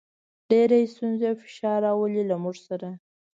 ډېرې ستونزې او فشار راولي، له موږ سره.